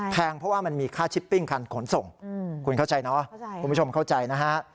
แงเพราะว่ามันมีค่าชิปปิ้งคันขนส่งคุณเข้าใจเนาะคุณผู้ชมเข้าใจนะฮะ